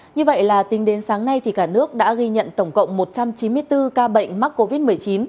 như vậy là tính đến sáng nay cả nước đã ghi nhận tổng cộng một trăm chín mươi bốn ca bệnh mắc covid một mươi chín